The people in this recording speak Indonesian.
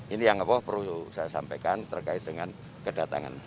ini yang perlu saya sampaikan terkait dengan kedatangan